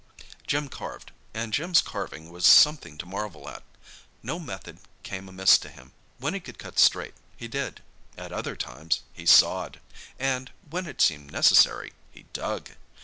Jim carved, and Jim's carving was something to marvel at. No method came amiss to him. When he could cut straight he did; at other times he sawed; and, when it seemed necessary, he dug.